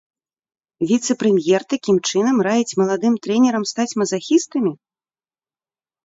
Віцэ-прэм'ер такім чынам раіць маладым трэнерам стаць мазахістамі?